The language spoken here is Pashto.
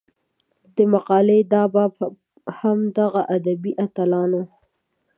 د مقالې دا باب هم دغه ادبي اتلانو